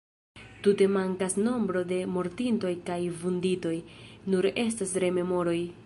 Tute mankas nombro de mortintoj kaj vunditoj, nur estas rememoroj.